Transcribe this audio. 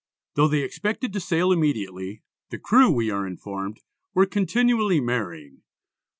Though they expected to sail immediately, the crew we are informed "were continually marrying."